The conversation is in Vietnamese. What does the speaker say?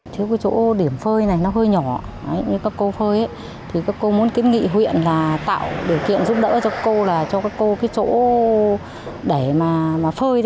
các cô phơi thì các cô muốn kiến nghị huyện là tạo điều kiện giúp đỡ cho cô là cho các cô cái chỗ để mà phơi